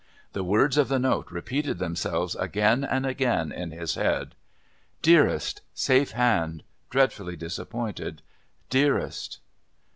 The words of the note repeated themselves again and again in his head. "Dearest...safe hand...dreadfully disappointed.... Dearest."